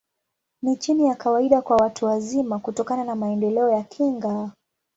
Ni chini ya kawaida kwa watu wazima, kutokana na maendeleo ya kinga.